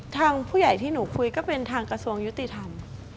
ทางผู้ใหญ่ที่หนูคุยก็เป็นทางกระทรวงยุติธรรม